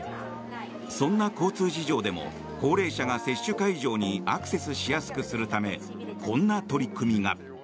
そんな交通事情でも高齢者が接種会場にアクセスしやすくするためこんな取り組みが。